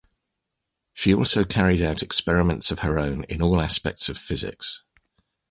She also carried out experiments of her own in all aspects of physics.